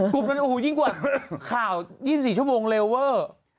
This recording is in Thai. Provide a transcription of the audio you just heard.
กลุ่มนั้นโอ้โหยิ่งกว่าข่าว๒๔ชั่วโมงเลเวอร์